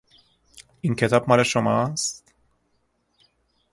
این کتاب مال شماست؟